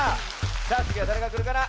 さあつぎはだれがくるかな？